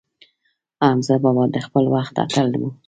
حمزه بابا د خپل وخت اتل و.